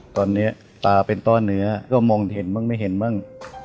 ตอนเนี้ยตาเป็นต้อนเหนือก็มองเห็นมั่งไม่เห็นมั่ง